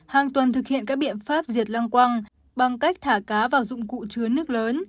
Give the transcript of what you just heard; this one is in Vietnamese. hàng tuần thực hiện các biện pháp diệt lăng quăng bằng cách thả cá vào dụng cụ chứa nước lớn